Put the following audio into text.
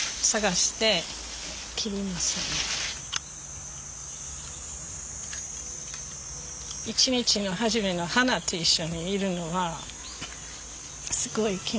一日の始めの花と一緒にいるのはすごい気持ちいいです。